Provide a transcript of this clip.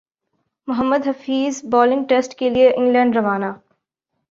محمد Hafeez bowling test کیلئے England روانہ